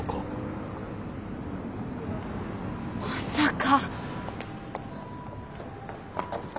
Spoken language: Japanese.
まさか。